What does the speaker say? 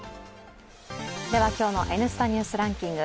では今日の「Ｎスタ・ニュースランキング」。